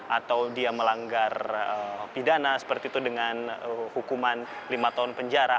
atau dia melanggar pidana seperti itu dengan hukuman lima tahun penjara